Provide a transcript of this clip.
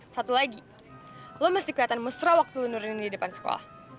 satu lagi lo masih keliatan mesra waktu lo nurin ini di depan sekolah